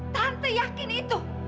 tante yakin itu